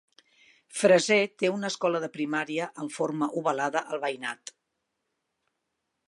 Fraser té una escola de primària amb forma ovalada al veïnat.